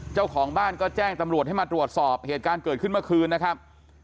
เจ้าของบ้านก็แจ้งตำรวจให้มาตรวจสอบเหตุการณ์เกิดขึ้นเมื่อคืนนะครับ